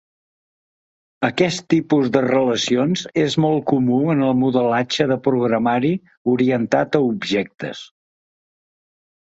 Aquest tipus de relacions és molt comú en el modelatge de programari orientat a objectes.